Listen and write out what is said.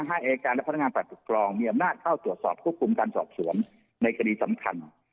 ให้อายการและพนักงานฝ่ายปกครองมีอำนาจเข้าตรวจสอบควบคุมการสอบสวนในคดีสำคัญ